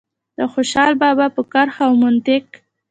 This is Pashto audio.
د خوشال بابا په کرښه او منطق.